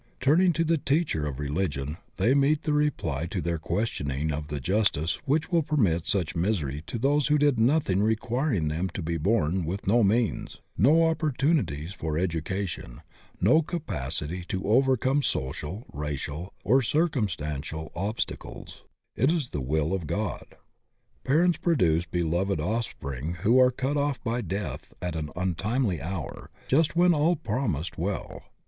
Turn ing to the teacher of religion, they meet the reply to their questioning of the justice which will permit such misery to those who did nothing requiring them to be bom with no means, no opportunities for educa tion, no capacity to overcome social, racial, or cir cumstantial obstacles, "It is the will of God." Parents produce beloved offspring who are cut off by deatfi at an untimely hour, just when all promised well.